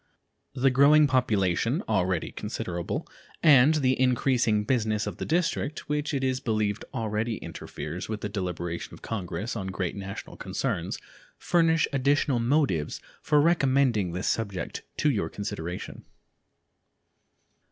The growing population, already considerable, and the increasing business of the District, which it is believed already interferes with the deliberations of Congress on great national concerns, furnish additional motives for recommending this subject to your consideration.